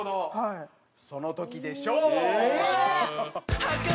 その時でしょう。